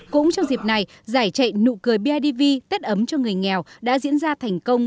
cũng trong dịp này giải chạy nụ cười bidv tết ấm cho người nghèo đã diễn ra thành công